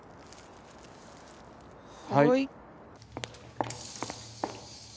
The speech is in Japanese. はい。